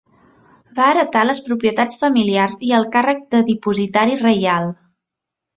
Va heretar les propietats familiars i el càrrec de dipositari reial.